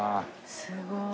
すごい。